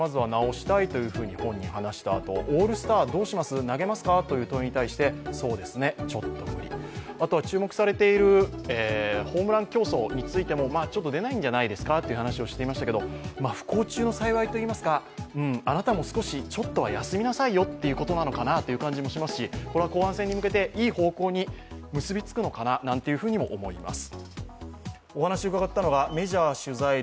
確かにピッチャーとしては本調子程遠い中でのピッチングでしたが途中降板となった理由についてあとは注目されているホームラン競争についてもちょっと出ないんじゃないですかという話をしていましたけれども不幸中の幸いといいますか、あなたもちょっとは休みなさいよということなのかなという気もしますし、これは後半戦に向けていい方向に結びつくのかななんていうふうに思います。